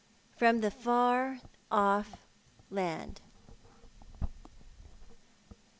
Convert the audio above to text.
FBOM THE FAR OFF LAND.